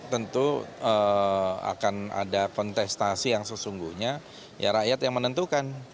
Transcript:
tentu akan ada kontestasi yang sesungguhnya ya rakyat yang menentukan